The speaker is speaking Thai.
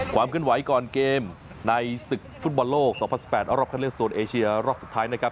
ความเคลื่อนไหวก่อนเกมในศึกฟุตบอลโลก๒๐๑๘รอบคันเลือกโซนเอเชียรอบสุดท้ายนะครับ